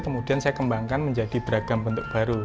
kemudian saya kembangkan menjadi beragam bentuk baru